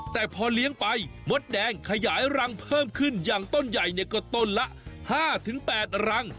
แต่พอเลี้ยงไปมดแดงขยายรังเพิ่มขึ้นอย่างต้นใหญ่ก็ต้นละ๕๘รัง